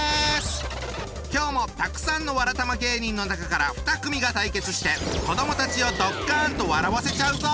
今日もたくさんのわらたま芸人の中から２組が対決して子どもたちをドッカンと笑わせちゃうぞ！